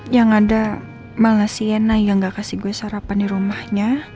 yang ada malah siena yang gak kasih gue sarapan di rumahnya